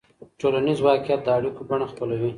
ټولنیز واقعیت د اړیکو بڼه خپلوي.